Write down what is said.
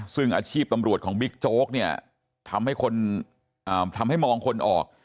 ซึ่งอาชีพตำรวจของบิ๊กโจ๊กเนี่ยทำให้คนทำให้มองคนออก